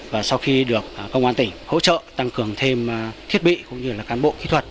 và sau khi được công an tỉnh hỗ trợ tăng cường thêm thiết bị cũng như là cán bộ kỹ thuật